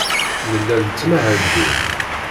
Nella nettmahal din.